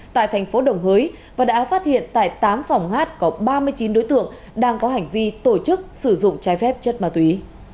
tại thành phố đồng hới và đã phát hiện tại tám phòng hát có ba mươi chín đối tượng đang có hành vi tổ chức sử dụng trái phép chất ma túy